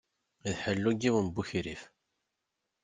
D ḥellu n yiwen n ukrif.